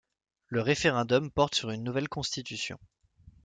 Le référendum porte sur une nouvelle constitution.